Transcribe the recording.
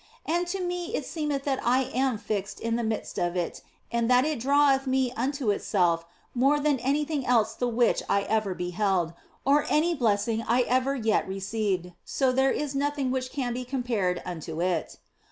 And to me it seemeth that I am fixed in the midst of It and that It draweth me unto Itself more than anything else the which I ever beheld, or any blessing I ever yet received, so there is nothing which can be compared unto It.